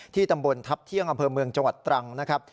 ตำบลทัพเที่ยงอำเภอเมืองจังหวัดตรังนะครับ